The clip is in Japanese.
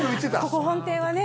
ここ本店はね